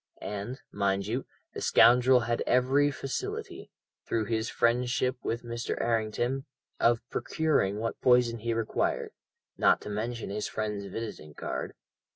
And, mind you, the scoundrel had every facility, through his friendship with Mr. Errington, of procuring what poison he required, not to mention his friend's visiting card.